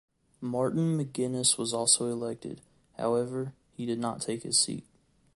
Martin McGuinness was also elected; however, he did not take his seat.